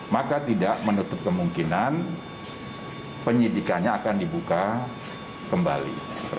maka tidak menutup kemungkinan penyidikannya akan dibuka kembali